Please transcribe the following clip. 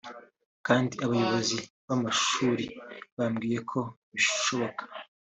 Kandi abayobozi b’amashuri bambwiye ko bishoboka